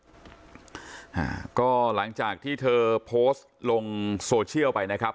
อ่าก็หลังจากที่เธอโพสต์ลงโซเชียลไปนะครับ